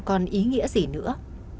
còn ý nghĩa gì nữa